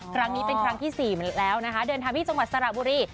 ครั้งนี้เป็นครั้งที่๔แล้วนะคะเดินทางที่จังหวัดสระบุรี